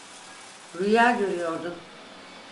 Rüya görüyordun.